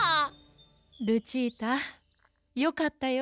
ルチータよかったよ。